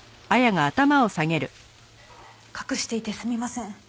隠していてすみません。